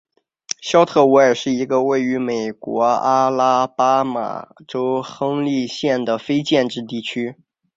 肖特维尔是一个位于美国阿拉巴马州亨利县的非建制地区。